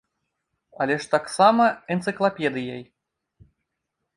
Але ж таксама энцыклапедыяй.